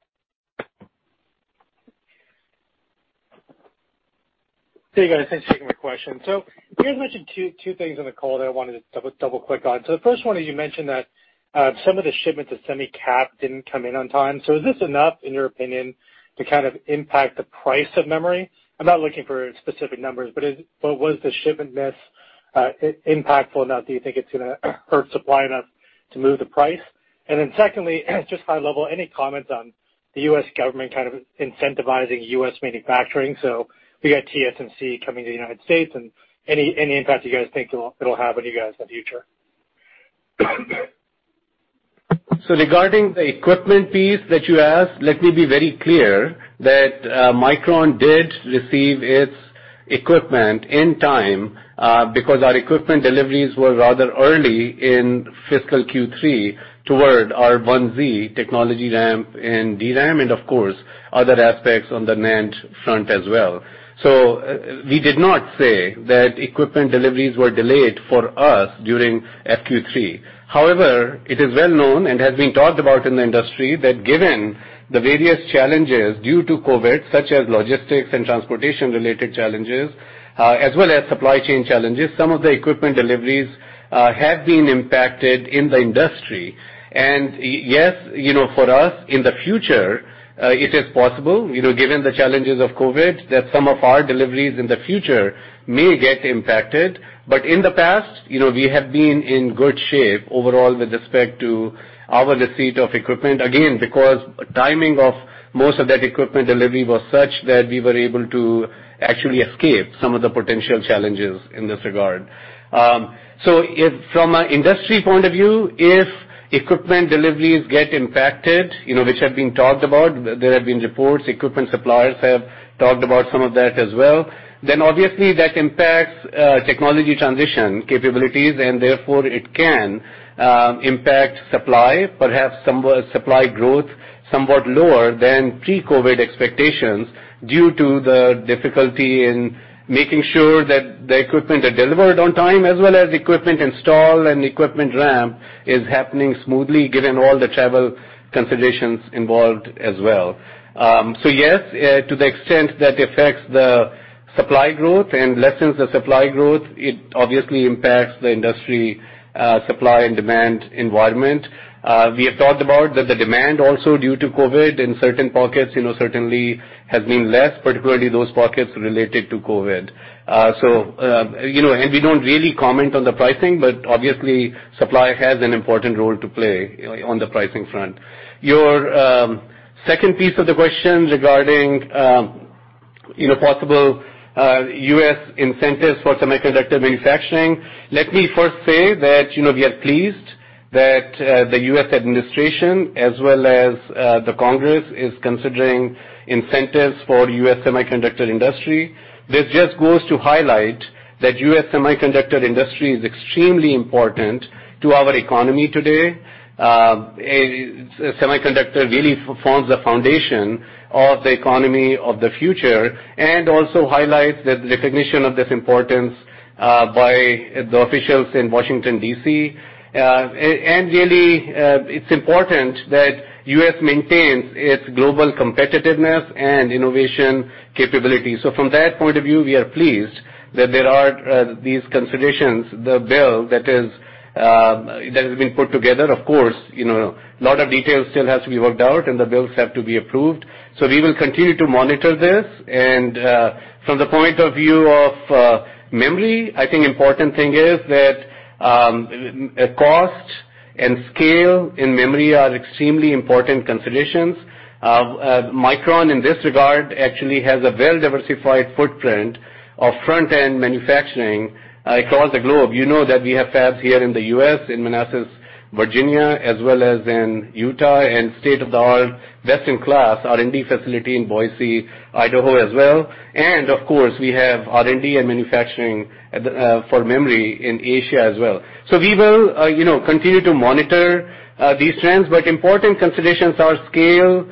S11: Hey, guys. Thanks for taking my question. You guys mentioned two things on the call that I wanted to double-click on. The first one is you mentioned that some of the shipments of semi cap didn't come in on time. Is this enough, in your opinion, to kind of impact the price of memory? I'm not looking for specific numbers, but was the shipment miss impactful enough? Do you think it's going to hurt supply enough to move the price? Then secondly, just high level, any comments on the U.S. government kind of incentivizing U.S. manufacturing? We got TSMC coming to the United States and any impact you guys think it'll have on you guys in the future.
S3: Regarding the equipment piece that you asked, let me be very clear that Micron did receive its equipment in time, because our equipment deliveries were rather early in fiscal Q3 toward our 1z technology RAM and DRAM, and of course, other aspects on the NAND front as well. We did not say that equipment deliveries were delayed for us during FY20. However, it is well known and has been talked about in the industry that given the various challenges due to COVID, such as logistics and transportation-related challenges, as well as supply chain challenges, some of the equipment deliveries have been impacted in the industry. Yes, for us in the future, it is possible, given the challenges of COVID, that some of our deliveries in the future may get impacted. In the past, we have been in good shape overall with respect to our receipt of equipment, again, because timing of most of that equipment delivery was such that we were able to actually escape some of the potential challenges in this regard. From an industry point of view, if equipment deliveries get impacted, which have been talked about, there have been reports, equipment suppliers have talked about some of that as well, then obviously that impacts technology transition capabilities, and therefore it can impact supply, perhaps supply growth, somewhat lower than pre-COVID expectations due to the difficulty in making sure that the equipment are delivered on time, as well as equipment install and equipment ramp is happening smoothly given all the travel considerations involved as well. Yes, to the extent that affects the supply growth and lessens the supply growth, it obviously impacts the industry supply and demand environment. We have talked about that the demand also due to COVID in certain pockets, certainly has been less, particularly those pockets related to COVID. We don't really comment on the pricing, but obviously supply has an important role to play on the pricing front. Your second piece of the question regarding possible U.S. incentives for semiconductor manufacturing, let me first say that we are pleased that the U.S. administration, as well as the Congress, is considering incentives for U.S. semiconductor industry. This just goes to highlight that U.S. semiconductor industry is extremely important to our economy today. Semiconductor really forms the foundation of the economy of the future and also highlights the recognition of this importance by the officials in Washington, D.C. Really, it's important that U.S. maintains its global competitiveness and innovation capability. From that point of view, we are pleased that there are these considerations, the bill that has been put together. Of course, a lot of details still has to be worked out, and the bills have to be approved. We will continue to monitor this. From the point of view of memory, I think important thing is that cost and scale in memory are extremely important considerations. Micron, in this regard, actually has a well-diversified footprint of front-end manufacturing across the globe. You know that we have fabs here in the U.S., in Manassas, Virginia, as well as in Utah, and state-of-the-art, best-in-class R&D facility in Boise, Idaho, as well. Of course, we have R&D and manufacturing for memory in Asia as well. We will continue to monitor these trends, but important considerations are scale,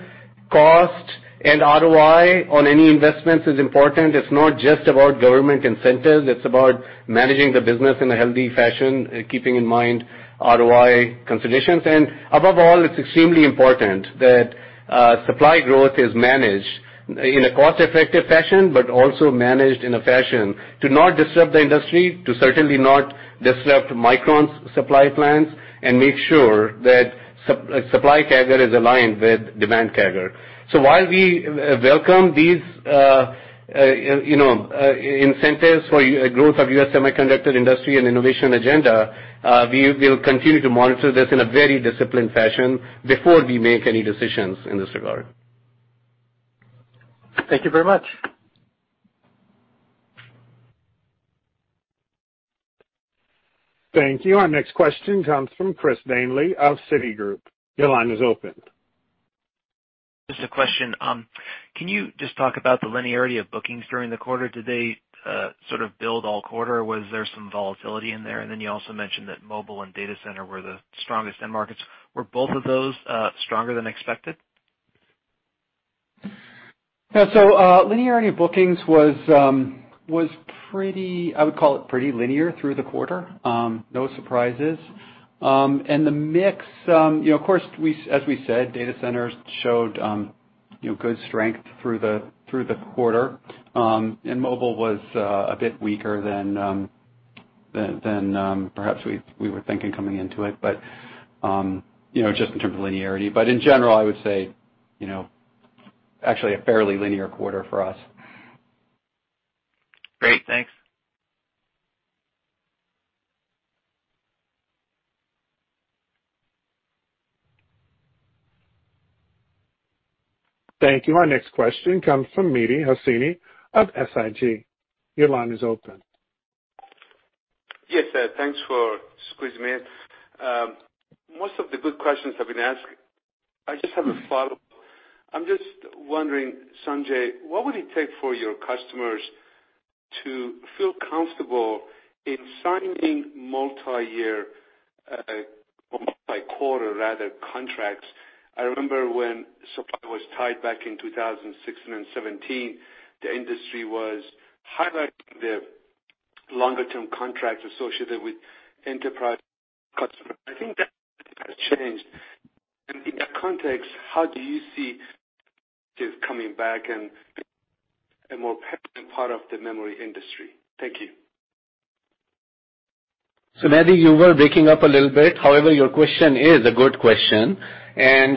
S3: cost, and ROI on any investments is important. It's not just about government incentives, it's about managing the business in a healthy fashion, keeping in mind ROI considerations. Above all, it's extremely important that supply growth is managed in a cost-effective fashion, but also managed in a fashion to not disrupt the industry, to certainly not disrupt Micron's supply plans and make sure that supply CAGR is aligned with demand CAGR. While we welcome these incentives for growth of U.S. semiconductor industry and innovation agenda, we will continue to monitor this in a very disciplined fashion before we make any decisions in this regard.
S11: Thank you very much.
S1: Thank you. Our next question comes from Chris Danely of Citigroup. Your line is open.
S12: Just a question. Can you just talk about the linearity of bookings during the quarter? Do they sort of build all quarter? Was there some volatility in there? You also mentioned that mobile and data center were the strongest end markets. Were both of those stronger than expected?
S3: Yeah. Linearity of bookings was pretty, I would call it pretty linear through the quarter. No surprises. The mix, of course, as we said, data centers showed good strength through the quarter. Mobile was a bit weaker than perhaps we were thinking coming into it, but just in terms of linearity. In general, I would say, actually a fairly linear quarter for us.
S12: Great. Thanks.
S1: Thank you. Our next question comes from Mehdi Hosseini of SIG. Your line is open.
S13: Yes. Thanks for squeezing me in. Most of the good questions have been asked. I just have a follow-up. I'm just wondering, Sanjay, what would it take for your customers to feel comfortable in signing multi-year or multi-quarter, rather, contracts? I remember when supply was tight back in 2016 and '17, the industry was highlighting the longer-term contracts associated with enterprise customers. I think that has changed. In that context, how do you see this coming back and being a more pertinent part of the memory industry? Thank you.
S3: Mehdi, you were breaking up a little bit. However, your question is a good question.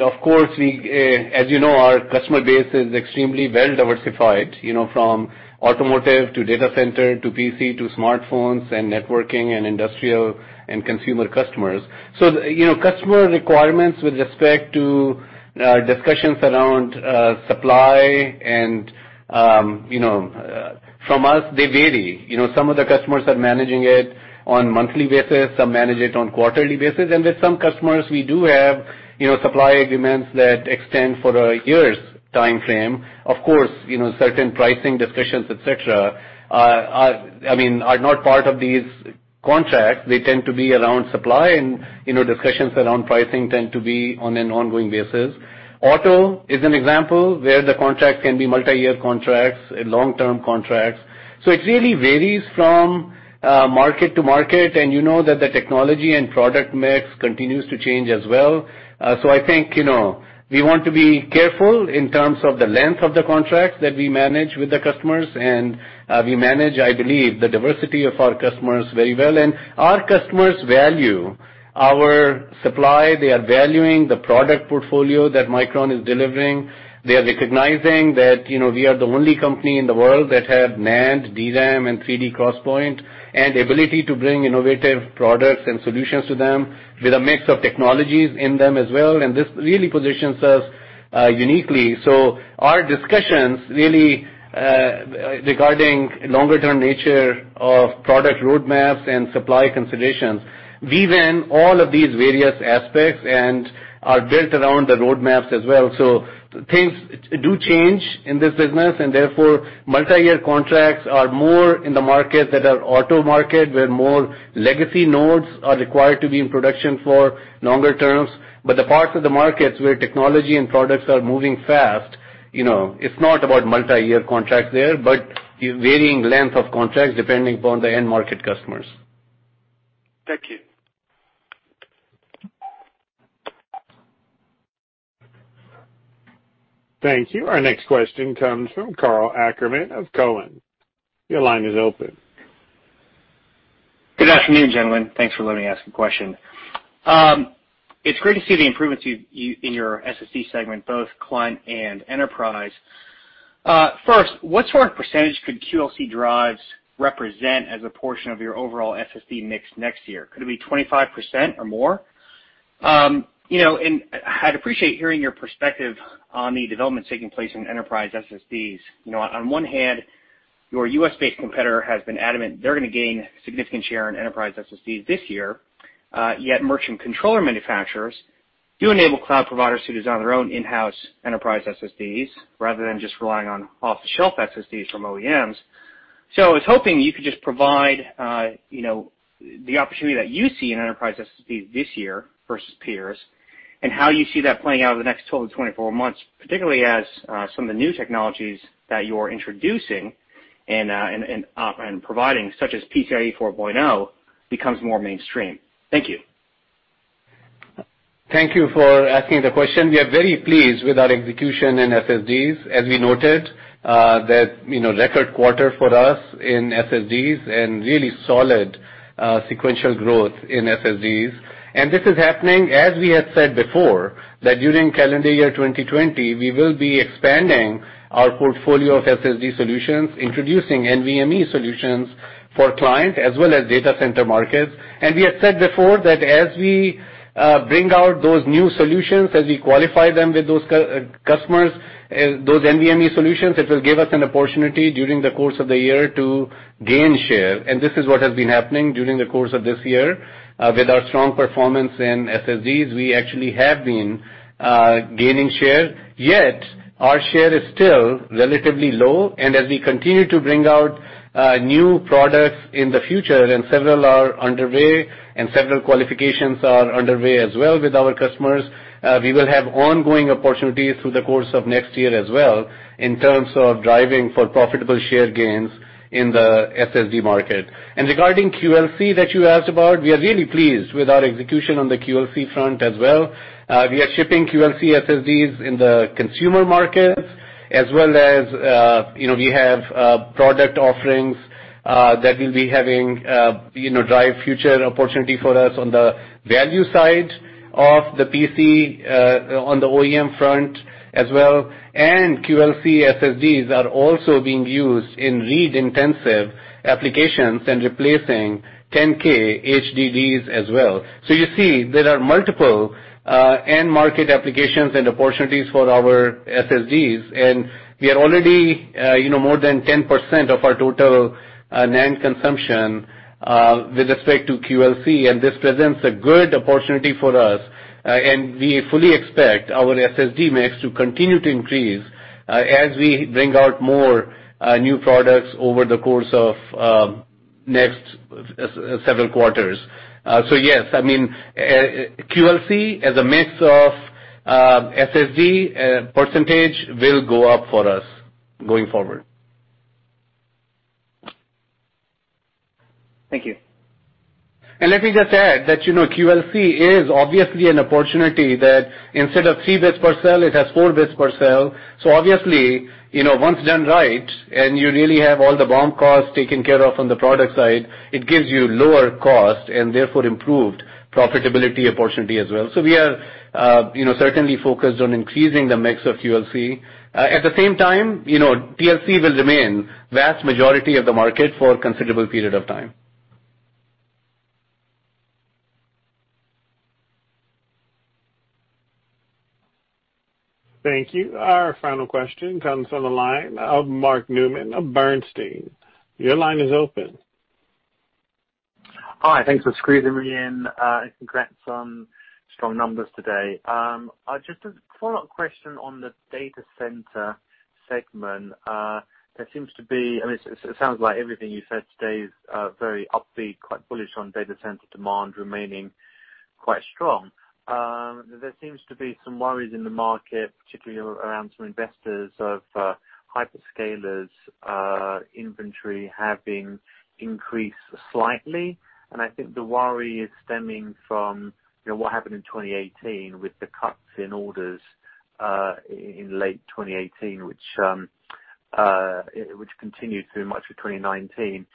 S3: Of course, as you know, our customer base is extremely well-diversified, from automotive to data center to PC to smartphones and networking and industrial and consumer customers. Customer requirements with respect to discussions around supply and from us, they vary. Some of the customers are managing it on monthly basis, some manage it on quarterly basis. With some customers, we do have supply agreements that extend for a year's timeframe. Of course, certain pricing discussions, et cetera, are not part of these contracts. They tend to be around supply and discussions around pricing tend to be on an ongoing basis. Auto is an example where the contract can be multi-year contracts and long-term contracts. It really varies from market to market, and you know that the technology and product mix continues to change as well. I think, we want to be careful in terms of the length of the contracts that we manage with the customers, and we manage, I believe, the diversity of our customers very well. Our customers value our supply. They are valuing the product portfolio that Micron is delivering. They are recognizing that we are the only company in the world that have NAND, DRAM, and 3D XPoint, and ability to bring innovative products and solutions to them with a mix of technologies in them as well. This really positions us uniquely. Our discussions really regarding longer-term nature of product roadmaps and supply considerations, weave in all of these various aspects and are built around the roadmaps as well. Things do change in this business, and therefore, multi-year contracts are more in the market that are auto market, where more legacy nodes are required to be in production for longer terms. The parts of the markets where technology and products are moving fast, it's not about multi-year contracts there, but varying length of contracts depending upon the end market customers.
S13: Thank you.
S1: Thank you. Our next question comes from Karl Ackerman of Cowen. Your line is open.
S14: Good afternoon, gentlemen. Thanks for letting me ask a question. It's great to see the improvements in your SSD segment, both client and enterprise. First, what sort of percentage could QLC drives represent as a portion of your overall SSD mix next year? Could it be 25% or more? I'd appreciate hearing your perspective on the developments taking place in enterprise SSDs. On one hand, your U.S.-based competitor has been adamant they're going to gain significant share in enterprise SSDs this year. Merchant controller manufacturers do enable cloud providers to design their own in-house enterprise SSDs rather than just relying on off-the-shelf SSDs from OEMs. I was hoping you could just provide the opportunity that you see in enterprise SSDs this year versus peers, and how you see that playing out in the next 12 to 24 months, particularly as some of the new technologies that you're introducing and providing, such as PCIe 4.0, becomes more mainstream. Thank you.
S3: Thank you for asking the question. We are very pleased with our execution in SSDs. As we noted, record quarter for us in SSDs and really solid sequential growth in SSDs. This is happening, as we had said before, that during calendar year 2020, we will be expanding our portfolio of SSD solutions, introducing NVMe solutions for client as well as data center markets. We have said before that as we bring out those new solutions, as we qualify them with those customers, those NVMe solutions, it will give us an opportunity during the course of the year to gain share. This is what has been happening during the course of this year. With our strong performance in SSDs, we actually have been gaining share, yet our share is still relatively low. As we continue to bring out new products in the future, several are underway, and several qualifications are underway as well with our customers, we will have ongoing opportunities through the course of next year as well in terms of driving for profitable share gains in the SSD market. Regarding QLC that you asked about, we are really pleased with our execution on the QLC front as well. We are shipping QLC SSDs in the consumer markets as well as we have product offerings that will be having drive future opportunity for us on the value side of the PC, on the OEM front as well. QLC SSDs are also being used in read-intensive applications and replacing 10K HDDs as well. You see there are multiple end market applications and opportunities for our SSDs, and we are already more than 10% of our total NAND consumption with respect to QLC, and this presents a good opportunity for us. We fully expect our SSD mix to continue to increase as we bring out more new products over the course of next several quarters. Yes, QLC as a mix of SSD percentage will go up for us going forward.
S14: Thank you.
S3: Let me just add that QLC is obviously an opportunity that instead of 3 bits per cell, it has 4 bits per cell. Obviously, once done right, and you really have all the BOM cost taken care of on the product side, it gives you lower cost and therefore improved profitability opportunity as well. We are certainly focused on increasing the mix of QLC. At the same time, TLC will remain vast majority of the market for a considerable period of time.
S1: Thank you. Our final question comes on the line of Mark Newman of Bernstein. Your line is open.
S15: Hi. Thanks for squeezing me in. Congrats on strong numbers today. A follow-up question on the data center segment. It sounds like everything you said today is very upbeat, quite bullish on data center demand remaining quite strong. There seems to be some worries in the market, particularly around some investors of hyperscalers inventory having increased slightly. I think the worry is stemming from what happened in 2018 with the cuts in orders in late 2018, which continued through much of 2019.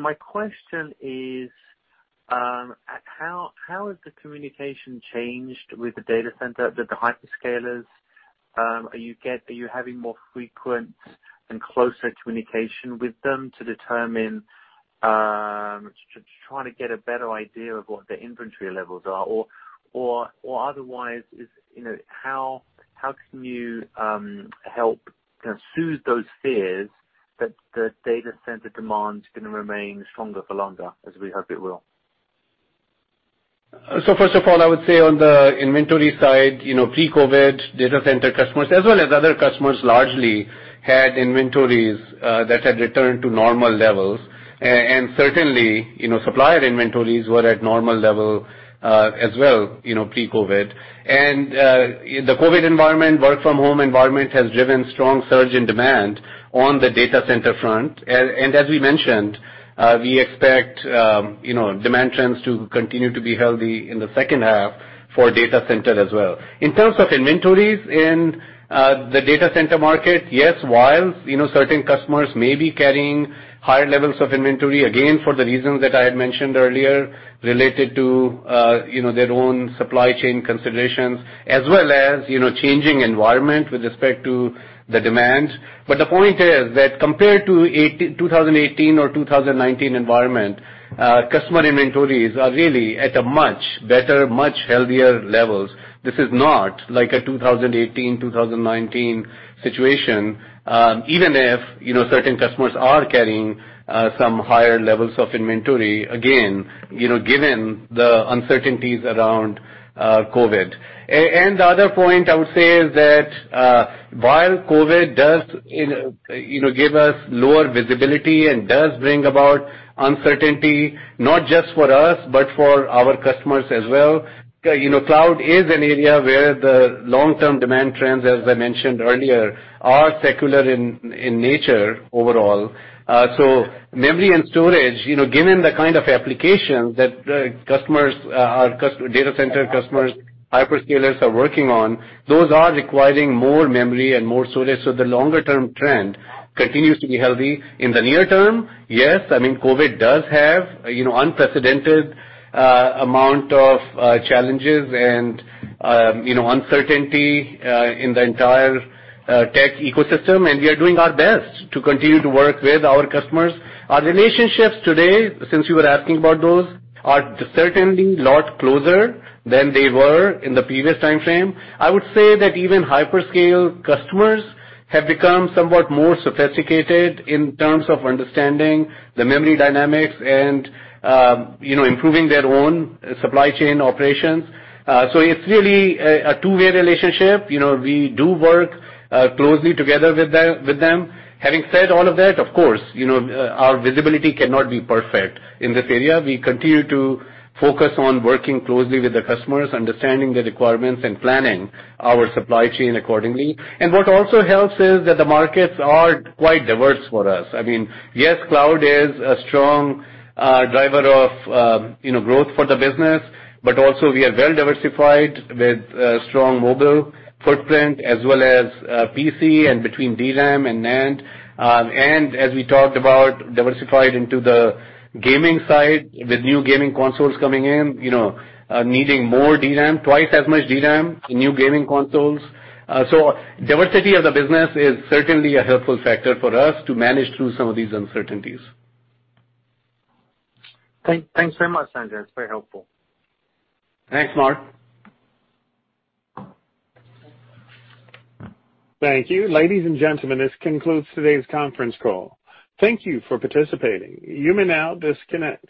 S15: My question is, how has the communication changed with the data center with the hyperscalers? Are you having more frequent and closer communication with them to try to get a better idea of what their inventory levels are? Otherwise, how can you help soothe those fears that the data center demand is going to remain stronger for longer, as we hope it will?
S3: First of all, I would say on the inventory side, pre-COVID, data center customers, as well as other customers largely, had inventories that had returned to normal levels. Certainly, supplier inventories were at normal level as well pre-COVID. The COVID environment, work from home environment, has driven strong surge in demand on the data center front. As we mentioned, we expect demand trends to continue to be healthy in the second half for data center as well. In terms of inventories in the data center market, yes, while certain customers may be carrying higher levels of inventory, again, for the reasons that I had mentioned earlier related to their own supply chain considerations, as well as changing environment with respect to the demand. The point is that compared to 2018 or 2019 environment, customer inventories are really at a much better, much healthier levels. This is not like a 2018, 2019 situation, even if certain customers are carrying some higher levels of inventory, again, given the uncertainties around COVID. The other point I would say is that while COVID does give us lower visibility and does bring about uncertainty, not just for us, but for our customers as well, cloud is an area where the long-term demand trends, as I mentioned earlier, are secular in nature overall. Memory and storage, given the kind of applications that data center customers, hyperscalers are working on, those are requiring more memory and more storage. The longer-term trend continues to be healthy. In the near term, yes, COVID does have unprecedented amount of challenges and uncertainty in the entire tech ecosystem, and we are doing our best to continue to work with our customers. Our relationships today, since you were asking about those, are certainly a lot closer than they were in the previous time frame. I would say that even hyperscale customers have become somewhat more sophisticated in terms of understanding the memory dynamics and improving their own supply chain operations. It's really a two-way relationship. We do work closely together with them. Having said all of that, of course, our visibility cannot be perfect in this area. We continue to focus on working closely with the customers, understanding the requirements, and planning our supply chain accordingly. What also helps is that the markets are quite diverse for us. Yes, cloud is a strong driver of growth for the business, but also we are well diversified with a strong mobile footprint as well as PC and between DRAM and NAND. As we talked about, diversified into the gaming side with new gaming consoles coming in, needing more DRAM, twice as much DRAM, new gaming consoles. Diversity of the business is certainly a helpful factor for us to manage through some of these uncertainties.
S15: Thanks very much, Sanjay. That's very helpful.
S3: Thanks, Mark.
S1: Thank you. Ladies and gentlemen, this concludes today's conference call. Thank you for participating. You may now disconnect.